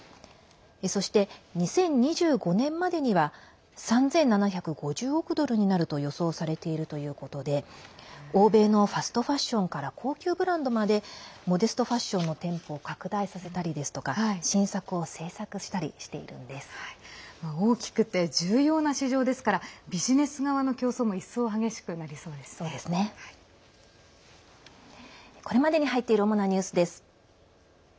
そして、２０２５年までには３７５０億ドルになると予想されているということで欧米のファストファッションから高級ブランドまでモデストファッションの店舗を拡大させたりですとか大きくて重要な市場ですからビジネス側の競争もこれまでに入っている主なニュースです。